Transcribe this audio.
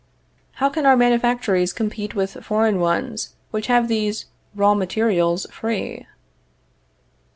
How can our manufactories compete with foreign ones which have these raw materials free?